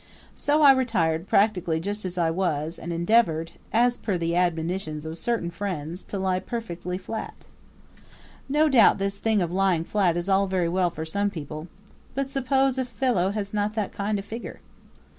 So I retired practically just as I was and endeavored, as per the admonitions of certain friends, to lie perfectly flat. No doubt this thing of lying flat is all very well for some people but suppose a fellow has not that kind of a figure?